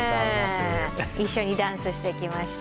一緒にダンスしてきました。